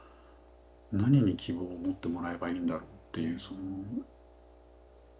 何に希望を持ってもらえばいいんだろうっていうその。